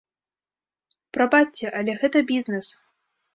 Прабачце, але гэта бізнэс.